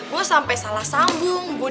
gue sampe salah sambung